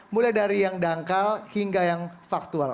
mulai dari yang dangkal hingga yang faktual